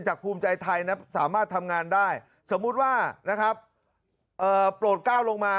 ภูมิใจไทยสามารถทำงานได้สมมุติว่านะครับโปรดก้าวลงมา